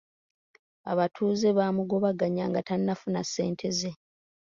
Abatuuze baamugobaganya nga tannafuna ssente ze.